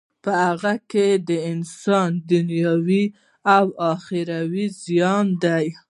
په هغه کی د انسان دینوی او اخروی زیان دی.